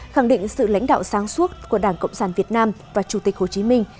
khẳng định sự lãnh đạo sáng suốt của đảng cộng sản việt nam và chủ tịch hồ chí minh